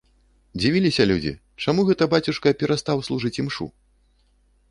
Дзівіліся людзі, чаму гэта бацюшка перастаў служыць імшу?